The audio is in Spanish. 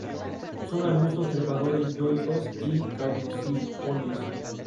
Son arbustos trepadores, dioicos y caducifolios.